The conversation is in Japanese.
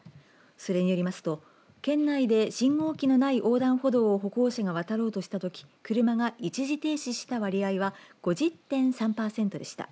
それによりますと、県内で信号機のない横断歩道を歩行者が渡ろうとしたとき車が一時停止した割合や５０．３パーセントでした。